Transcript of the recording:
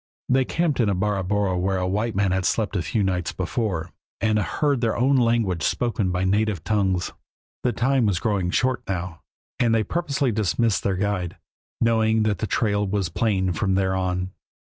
They camped in a barabora where white men had slept a few nights before, and heard their own language spoken by native tongues. The time was growing short now, and they purposely dismissed their guide, knowing that the trail was plain from there on.